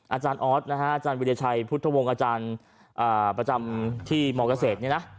อาจารย์ออสนะฮะอาจารย์วิทยาชัยพุทธวงศ์อาจารย์ประจำที่มเกษตรเนี่ยนะ